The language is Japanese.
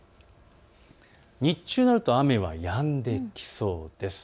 日中になると雨はやんでいきそうです。